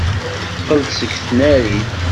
Teqqel-d seg tnarit.